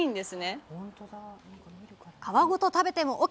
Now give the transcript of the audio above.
皮ごと食べてもＯＫ。